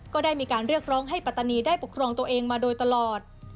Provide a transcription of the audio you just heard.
ก็ได้มีการเรียกร้องให้ปัตตานีได้ปกครองตัวเองมาโดยตลอด